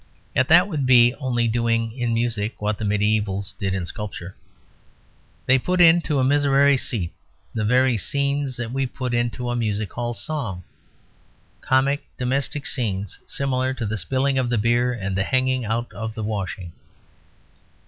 Yet that would be only doing in music what the mediævals did in sculpture. They put into a Miserere seat the very scenes that we put into a music hall song: comic domestic scenes similar to the spilling of the beer and the hanging out of the washing.